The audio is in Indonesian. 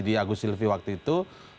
di agus silvi waktu itu